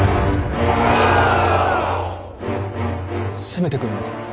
攻めてくるのか。